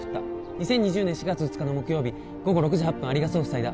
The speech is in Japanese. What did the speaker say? ２０２０年４月２日の木曜日午後６時８分蟻が巣をふさいだ